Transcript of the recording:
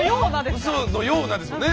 「ウソのような」ですもんね。